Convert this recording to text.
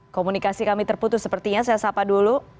komunikasi kami terputus sepertinya saya sapa dulu